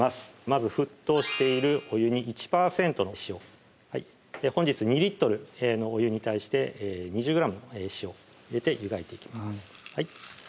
まず沸騰しているお湯に１％の塩本日２リットルのお湯に対して２０ｇの塩入れて湯がいていきます